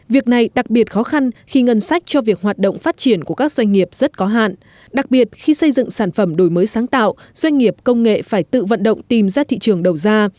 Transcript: việc này đặc biệt khó khăn khi ngân sách cho việc hoạt động phát triển của các doanh nghiệp rất có hạn đặc biệt khi xây dựng sản phẩm đổi mới sáng tạo doanh nghiệp công nghệ phải tự vận động tìm ra thị trường đầu ra